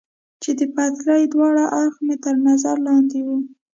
چې د پټلۍ دواړه اړخه مې تر نظر لاندې و.